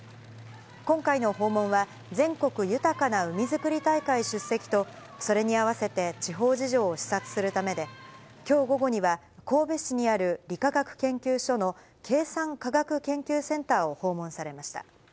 今回の訪問は、全国豊かな海づくり大会出席と、それに合わせて地方事情を視察するためで、きょう午後には、神戸市にある理化学研究所の計算科学研究センターを訪問されました。